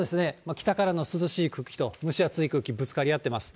北からの涼しい空気と蒸し暑い空気、ぶつかり合ってます。